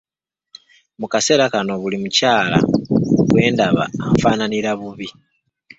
Mu kaseera kano buli mukyala gw’endaba anfaananira bubi.